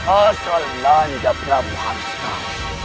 asal nanda prabu harus tahu